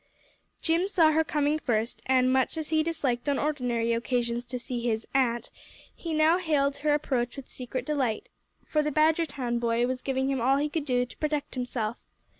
Jim saw her coming first, and much as he disliked on ordinary occasions to see his "a'nt," he now hailed her approach with secret delight, for the Badgertown boy was giving him all he could do to protect himself.